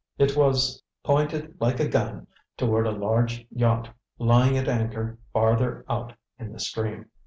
It was pointed like a gun toward a large yacht lying at anchor farther out in the stream.